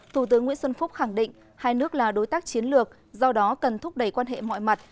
thủ tướng nguyễn xuân phúc khẳng định hai nước là đối tác chiến lược do đó cần thúc đẩy quan hệ mọi mặt